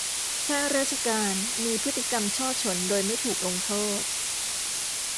ข้าราชการมีพฤติกรรมฉ้อฉลโดยไม่ถูกลงโทษ